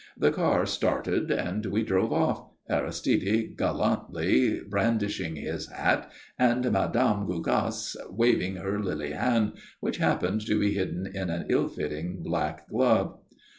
The car started and we drove off, Aristide gallantly brandishing his hat and Mme. Gougasse waving her lily hand, which happened to be hidden in an ill fitting black glove.